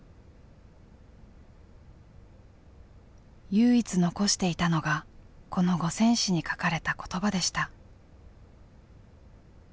唯一残していたのがこの五線紙に書かれた言葉でした。